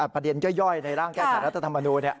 ประเด็นย่อยในร่างแก้ขาดรัฐธรรมนูนี่